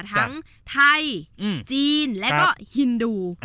ทั้งไทยจีนและก็ฮินดู